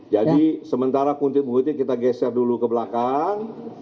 jadi sementara punggut punggutnya kita geser dulu ke belakang